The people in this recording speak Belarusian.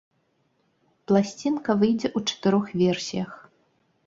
Пласцінка выйдзе ў чатырох версіях.